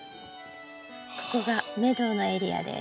ここがメドウのエリアです。